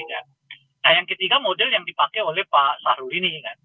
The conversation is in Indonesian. nah yang ketiga model yang dipakai oleh pak sarul ini kan